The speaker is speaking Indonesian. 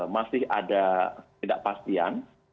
masih ada tidakpastian